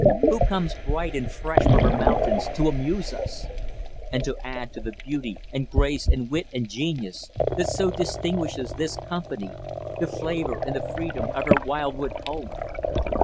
Who comes bright and fresh from her mountains, to amuse us and to add, to the beauty and grace and wit and genius that so distinguishes this company the flavor and the freedom of her wild wood home.